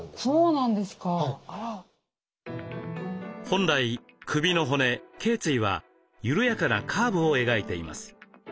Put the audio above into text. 本来首の骨けい椎は緩やかなカーブを描いています。